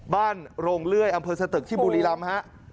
บ้านโรงเลื้อยอำเภอสตึกที่บุรีลำ